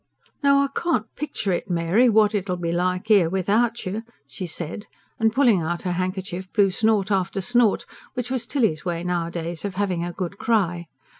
"No, I can't picture it, Mary what it'ull be like 'ere without you," she said; and pulling out her handkerchief blew snort after snort, which was Tilly's way nowadays of having a good cry.